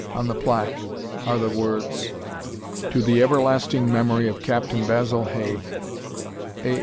On the plaque are the words: To The Everlasting Memory Of Captain Basil Hay, A.